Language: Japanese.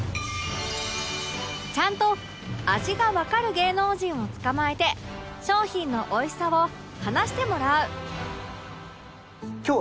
ちゃんと味がわかる芸能人を捕まえて商品のおいしさを話してもらう